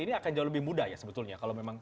ini akan jauh lebih mudah ya sebetulnya kalau memang